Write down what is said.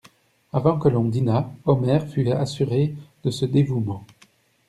Avant que l'on dînât, Omer fut assuré de ce dévouement.